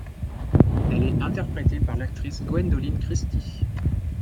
Elle est interprétée par l'actrice Gwendoline Christie.